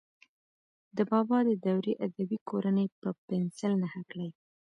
د بابا د دورې ادبي کورنۍ په پنسل نښه کړئ.